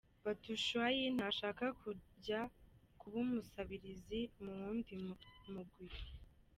Batshuayi ntashaka kuja kuba umusubirizi mu wundi mugwi,.